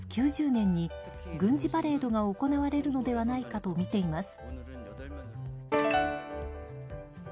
９０年に軍事パレードが行われるのではないかとみています。